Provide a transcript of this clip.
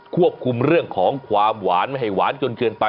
ควบคุมเรื่องของความหวานไม่ให้หวานจนเกินไป